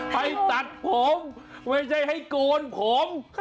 ไปตัดผมไม่ใช่ให้โกนผม